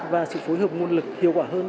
và sự phối hợp nguồn lực hiệu quả hơn